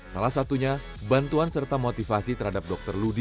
salah satunya bantuan serta motivasi terhadap dokter ludi